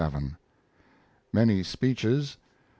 Many speeches.